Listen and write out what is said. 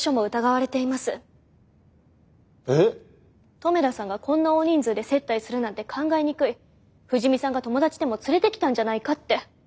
留田さんがこんな大人数で接待するなんて考えにくい藤見さんが友達でも連れてきたんじゃないかって。